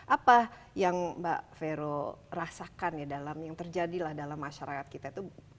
apa yang mbak vero rasakan ya dalam yang terjadilah dalam masyarakat kita itu